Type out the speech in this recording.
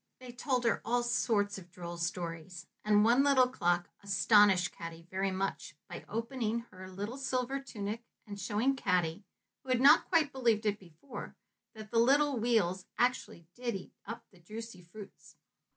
They told her all sorts of droll stories, and one little clock astonished Caddy very much by opening her little silver tunic and showing Caddy who had not quite believed it before that the little wheels actually did eat up the juicy fruits.